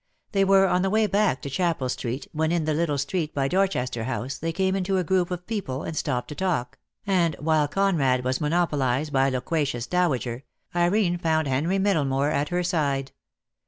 They were on the way back to Chapel Street, when in the little street by Dorchester House they came into a group of people, and stopped to talk, and while Conrad was monopolised by a loquacious dowager, Irene found Henry Middlemore at her side.